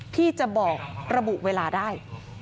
ที่จะบอกระบุเวลาได้